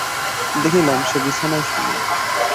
দেখিলাম, সে বিছানায় শুইয়া।